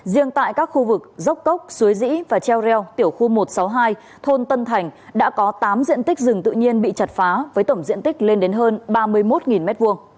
riêng tại các khu vực dốc cốc suối dĩ và treo reo tiểu khu một trăm sáu mươi hai thôn tân thành đã có tám diện tích rừng tự nhiên bị chặt phá với tổng diện tích lên đến hơn ba mươi một m hai